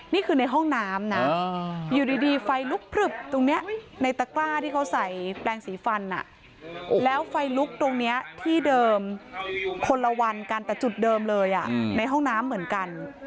นี่คือในห้องน้ำนะอยู่ดีไฟลุกพลึบตรงนี้ในตะกร้าที่เขาใส่แปลงสีฟันแล้วไฟลุกตรงนี้ที่เดิมคนละวันกันแต่จุดเดิมเลยในห้องน้ำเหมือนกัน